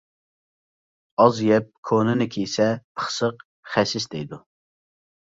ئاز يەپ كونىنى كىيسە، «پىخسىق، خەسىس» دەيدۇ.